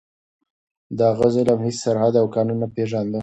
د هغه ظلم هیڅ سرحد او قانون نه پېژانده.